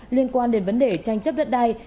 liên quan đến vấn đề tranh chấp đất đai